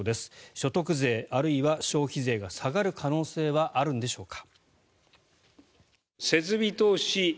所得税あるいは消費税が下がる可能性はあるんでしょうか。